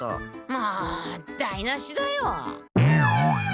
もう台なしだよ！